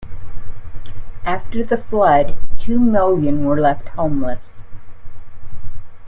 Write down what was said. After the flood, two million were left homeless.